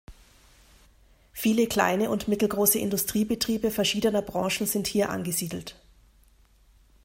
Viele kleine und mittelgroße Industriebetriebe verschiedener Branchen sind hier angesiedelt.